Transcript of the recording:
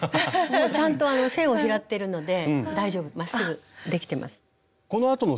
もうちゃんと線を拾ってるので大丈夫まっすぐできてます。